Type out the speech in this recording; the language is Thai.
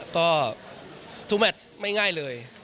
ก็ทุกแมทไม่ง่ายเลย